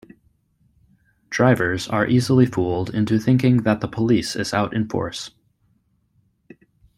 Drivers are easily fooled into thinking that the police is out in force.